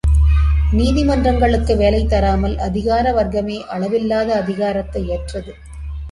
நீதிமன்றங்களுக்கு வேலை தராமல், அதிகார வர்க்கமே அளவில்லாத அதிகாரத்தை ஏற்றது.